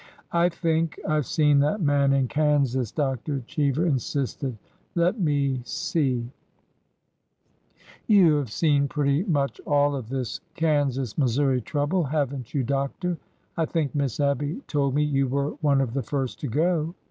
'' I think— I 've seen that man in Kansas," Dr. Cheever insisted. Let — me — see —"'' You have seen pretty much all of this Kansas Mis souri trouble, have n't you, Doctor ? I think Miss Abby told me you were one of the first to go."